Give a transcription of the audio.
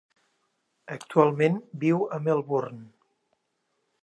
Actualment viu a Melbourne.